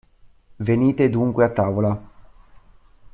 Venite dunque a tavola.